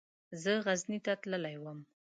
زه غزني ته تللی وم.